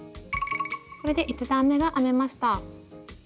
これで１段めが編めました。